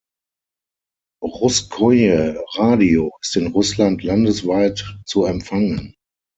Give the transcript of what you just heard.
Russkoje Radio ist in Russland landesweit zu empfangen.